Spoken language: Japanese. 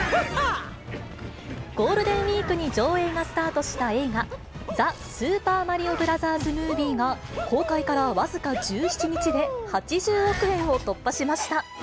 ゴールデンウィークに上映がスタートした映画、ザ・スーパーマリオブラザーズ・ムービーが公開から僅か１７日で、８０億円を突破しました。